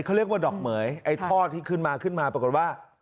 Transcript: เขาเรียกว่าดอกเหมือยไอ้ท่อที่ขึ้นมาขึ้นมาปรากฏว่า